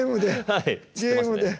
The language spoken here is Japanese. はい釣ってますね。